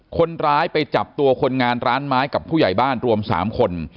คนร้ายไปจับตัวคนงานร้านไม้กับผู้ใหญ่บ้านรวม๓คน